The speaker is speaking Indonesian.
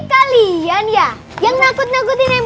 jangan bandel kalau bandel